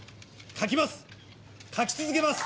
書き続けます！